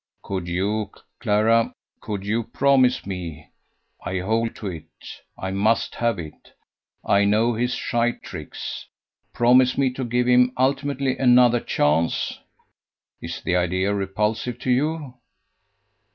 "Could you, Clara, could you promise me I hold to it. I must have it, I know his shy tricks promise me to give him ultimately another chance? Is the idea repulsive to you?"